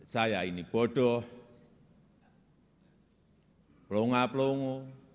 saya ini bodoh pelunga pelungu